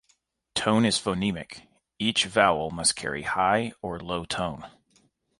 Tone is phonemic; each vowel must carry high or low tone.